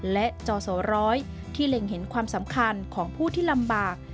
และจอสร้อยที่เล็งเห็นความสำคัญของผู้ที่ลำบาก